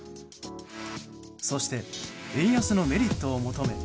そして円安のメリットを求め